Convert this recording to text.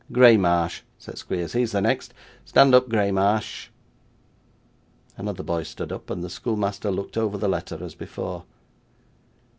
'Graymarsh,' said Squeers, 'he's the next. Stand up, Graymarsh.' Another boy stood up, and the schoolmaster looked over the letter as before.